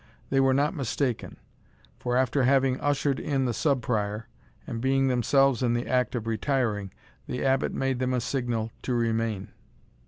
They were not mistaken; for, after having ushered in the Sub Prior, and being themselves in the act of retiring, the Abbot made them a signal to remain.